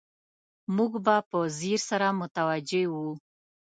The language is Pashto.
موږ به په ځیر سره متوجه وو.